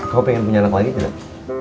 kamu pengen punya anak lagi tidak